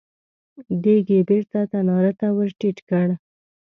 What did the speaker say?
دېګ يې بېرته تناره ته ور ټيټ کړ.